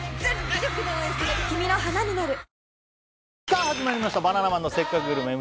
さあ始まりました「バナナマンのせっかくグルメ！！」